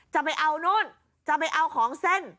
จะเอานู่นจะไปเอาของเส้น